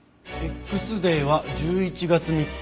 「Ｘデイは１１月３日」